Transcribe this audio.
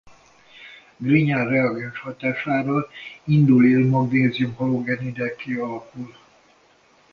Grignard-reagens hatására indolil-magnézium-halogenidekké alakul.